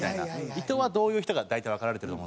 伊藤はどういう人か大体わかられてると思うんですけど。